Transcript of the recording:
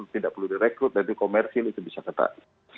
tidak perlu direkrut dan itu komersil itu bisa ketat